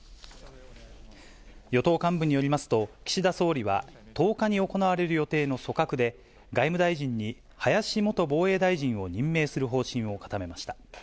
与党幹部によりますと、岸田総理は、１０日に行われる予定の組閣で、外務大臣に林元防衛大臣を任命する方針を固めました。